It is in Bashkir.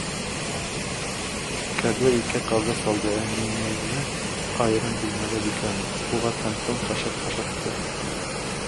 Кәрлә ике ҡаҙҙы салды, ә Мимиҙы айырым бүлмәгә бикләне, уға тәм-том ташып ашатты.